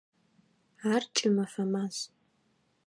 Ар кӏымэфэ маз.